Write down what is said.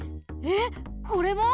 えっこれも？